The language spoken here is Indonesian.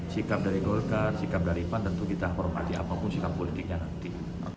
sikap dari golkar sikap dari pan tentu kita hormati apapun sikap politiknya nanti